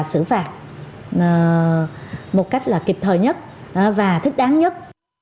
xử phạt một cách là kịp thời nhất và thích đáng nhất